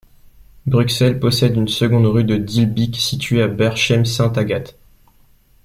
Bruxelles possède une seconde rue de Dilbeek située à Berchem-Sainte-Agathe.